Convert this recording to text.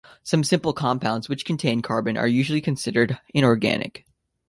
Some simple compounds which contain carbon are usually considered inorganic.